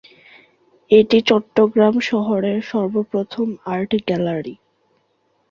এটি চট্টগ্রাম শহরের সর্বপ্রথম আর্ট গ্যালারি।